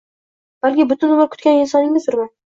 - Balki butun umr kutgan insoningizdirman?!